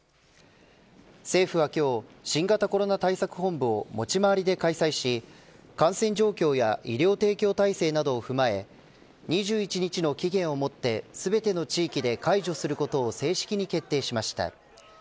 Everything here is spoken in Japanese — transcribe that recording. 政府は今日新型コロナ対策本部を持ち回りで開催し感染状況や医療提供体制などを踏まえ２１日の期限をもって全ての地域で解除することを正式に決定しました。